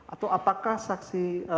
atau apakah saksi